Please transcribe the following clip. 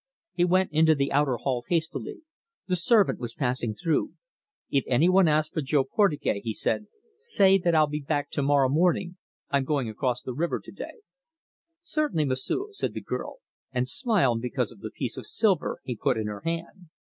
He went into the outer hall hastily. The servant was passing through. "If any one asks for Jo Portugais," he said, "say that I'll be back to morrow morning I'm going across the river to day." "Certainly, M'sieu'," said the girl, and smiled because of the piece of silver he put in her hand.